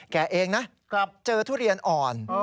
แกเองนะกลับเจอทุเรียนอ่อน